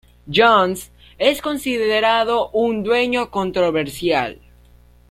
Jones es considerado un dueño controversial.